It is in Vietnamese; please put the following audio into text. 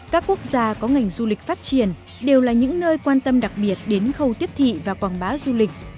các quốc gia có ngành du lịch phát triển đều là những nơi quan tâm đặc biệt đến khâu tiếp thị và quảng bá du lịch